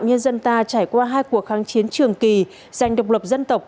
nhân dân ta trải qua hai cuộc kháng chiến trường kỳ dành độc lập dân tộc